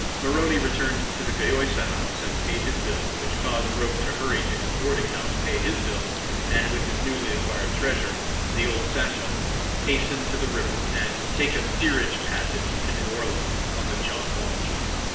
Maroney returned to the Gayosa House and paid his bill, which caused Roch to hurry to his boarding house, pay his bill, and with his newly acquired treasure, the old satchel, hasten to the river and take a steerage passage to New Orleans on the John Walsh.